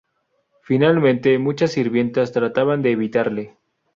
Finalmente, muchas sirvientas trataban de evitarle.